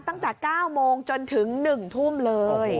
ตั้งแต่๙โมงจนถึง๑ทุ่มเลย